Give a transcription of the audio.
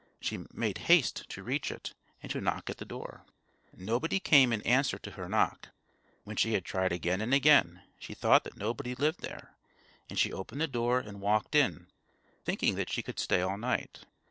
She made haste to reach it, and to knock at the door. Nobody came in answer to her knock. When she had tried again and again, she thought that nobody lived there; and she opened the door and walked in, thinking that she would stay all night.